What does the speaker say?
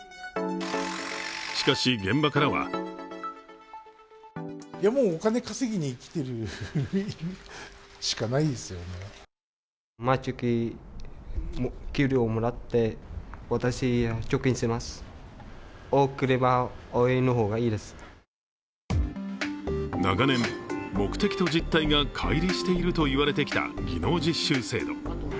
しかし、現場からは長年、目的と実態がかい離しているといわれてきた技能実習制度。